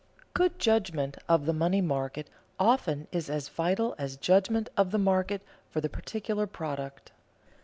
Good judgment of the money market often is as vital as judgment of the market for the particular product.